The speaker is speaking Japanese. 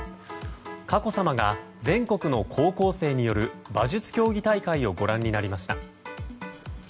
佳子さまが全国の高校生による馬術競技大会をご覧になりました。